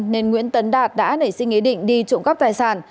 nên nguyễn tấn đạt đã nảy sinh ý định đi trộm cắp tài sản